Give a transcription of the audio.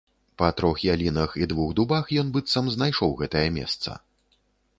Па трох ялінах і двух дубах ён быццам знайшоў гэтае месца.